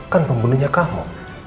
kan pembunuhnya kamu